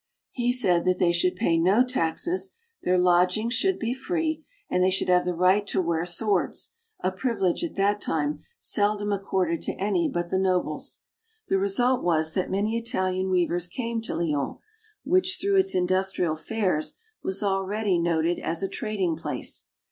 He said that they should pay no taxes, their lodgings should be free, and they should have the right to wear swords, a privilege at that time seldom accorded to any but the nobles. The result was that many Italian weavers came to Lyons, which through its industrial fairs was already noted as a trading place.